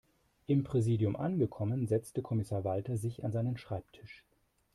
Im Präsidium angekommen, setzte Kommissar Walter sich an seinen Schreibtisch.